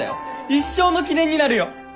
一生の記念になるよ！